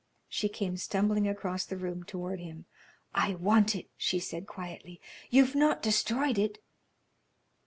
She came stumbling across the room toward him. "I want it," she said, quietly. "You've not destroyed it?"